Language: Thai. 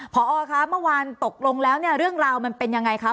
ผอครับเมื่อวานตกลงแล้วเรื่องราวมันเป็นยังไงครับ